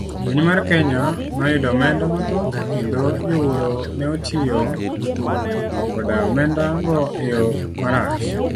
Piny mar Kenya noyudo omenda mathoth kendo jowuoro neotiyo koda omenda go eyo marach.